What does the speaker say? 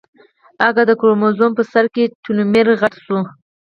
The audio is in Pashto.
اگه د کروموزوم په سر کې ټيلومېر غټ شو.